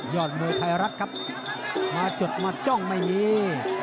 มวยไทยรัฐครับมาจดมาจ้องไม่มี